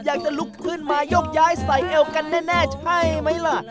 อยากจะลุกขึ้นมายกย้ายใส่เอวกันแน่ใช่ไหมล่ะ